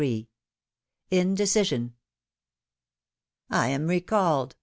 INDECISION. AM recalled!